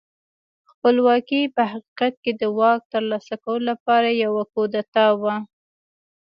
خپلواکي په حقیقت کې د واک ترلاسه کولو لپاره یوه کودتا وه.